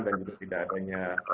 dan juga tidak adanya